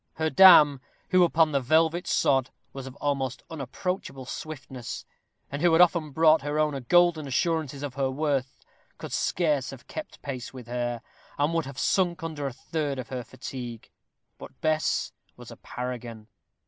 Her dam, who upon the velvet sod was of almost unapproachable swiftness, and who had often brought her owner golden assurances of her worth, could scarce have kept pace with her, and would have sunk under a third of her fatigue. But Bess was a paragon.